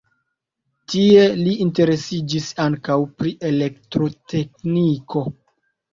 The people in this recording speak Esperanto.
Tie li interesiĝis ankaŭ pri elektrotekniko.